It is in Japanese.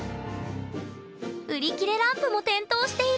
売り切れランプも点灯している！